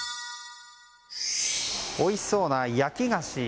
おいしそうな焼き菓子。